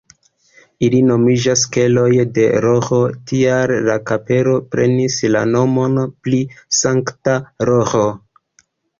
Ili nomiĝas keloj de Roĥo, tial la kapelo prenis la nomon pri Sankta Roĥo.